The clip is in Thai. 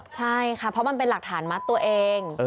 ใช่ค่ะเพราะมันเป็นหลักฐานมัดตัวเอง